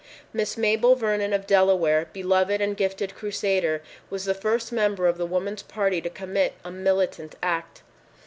Miss Mabel Vernon of Delaware, beloved and gifted crusader, was the first member of the Woman's Party to commit a "militant" act.